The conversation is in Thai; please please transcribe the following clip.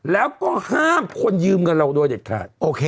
แล้วก็ห้ามคนยืมกับเราโดยเด็ดขาด